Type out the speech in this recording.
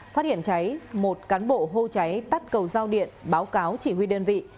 phát hiện cháy một cán bộ hô cháy tắt cầu giao điện báo cáo chỉ huy đơn vị